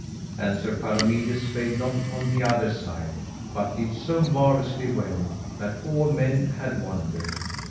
And Sir Palomides failed not upon the other side, but did so marvellously well that all men had wonder.